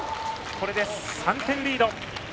これで３点リード。